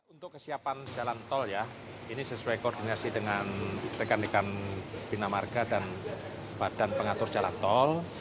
untuk kesiapan jalan tol ya ini sesuai koordinasi dengan rekan rekan bina marga dan badan pengatur jalan tol